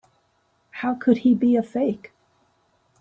How could he be a fake?